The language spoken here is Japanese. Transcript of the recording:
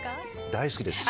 大好きです。